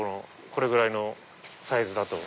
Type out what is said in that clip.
これぐらいのサイズだと。